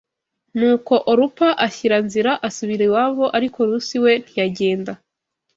Nuko Orupa ashyira nzira, asubira iwabo ariko Rusi we ntiyagenda